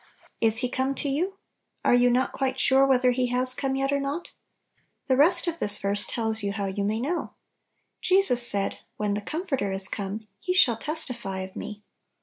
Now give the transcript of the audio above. Is He come to you? Are you not quite sure whether He has come yet, or not? The rest of this verse tells you L >w you may know. Jesus said, "When the Comforter is come, He shall testify of me."